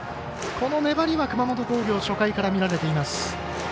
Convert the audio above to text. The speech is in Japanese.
この粘りは熊本工業初回から見られています。